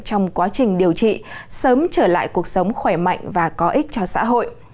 trong quá trình điều trị sớm trở lại cuộc sống khỏe mạnh và có ích cho xã hội